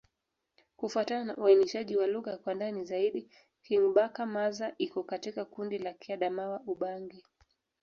Kufuatana na uainishaji wa lugha kwa ndani zaidi, Kingbaka-Manza iko katika kundi la Kiadamawa-Ubangi.